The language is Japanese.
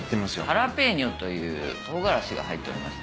ハラペーニョというトウガラシが入っております。